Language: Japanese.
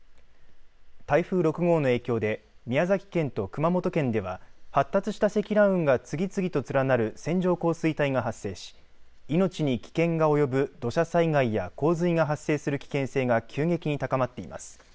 台風６号の影響で宮崎県と熊本県では発達した積乱雲が次々と連なる線状降水帯が発生し命に危険が及ぶ土砂災害や洪水が発生する危険性が急激に高まっています。